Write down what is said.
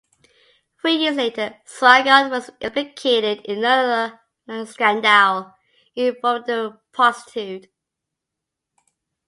Three years later Swaggart was implicated in another scandal involving a prostitute.